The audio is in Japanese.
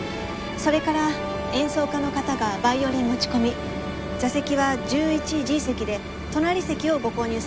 それから演奏家の方がバイオリン持ち込み座席は１１−Ｇ席で隣席をご購入されております。